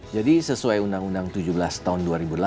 jadi sesuai undang undang tujuh belas tahun dua ribu delapan